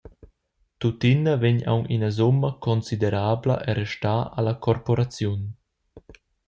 Tuttina vegn aunc ina summa considerabla a restar alla corporaziun.